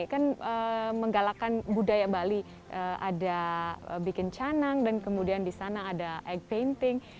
kan menggalakan budaya bali ada bikin canang dan kemudian di sana ada ag painting